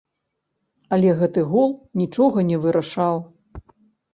Але гэты гол нічога не вырашаў.